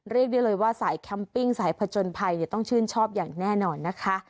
เรียกได้เลยว่าสายแคมปิ้งสายผจญภัยต้องชื่นชอบอย่างแน่นอนนะคะ